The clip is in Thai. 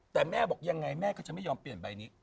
แต่แม่บอกยังไงแม่ก็จะไม่ยอมเปลี่ยนใบนี้